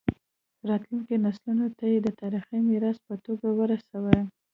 راتلونکو نسلونو ته یې د تاریخي میراث په توګه ورسوي.